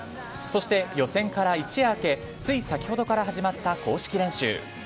そして、予選から一夜明けつい先ほどから始まった公式練習。